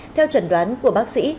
theo trần đoán của bác sĩ